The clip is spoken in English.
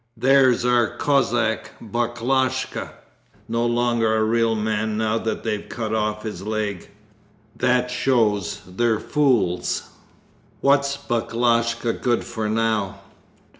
There's our Cossack Baklashka, no longer a real man now that they've cut off his leg! That shows they're fools. What's Baklashka good for now?